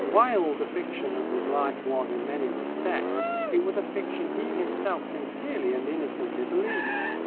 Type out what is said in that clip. Wild a fiction as his life was in many respects, it was a fiction he himself sincerely and innocently believed.